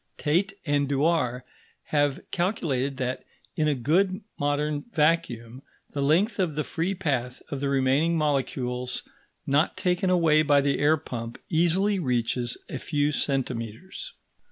Tait and Dewar have calculated that, in a good modern vacuum, the length of the free path of the remaining molecules not taken away by the air pump easily reaches a few centimetres.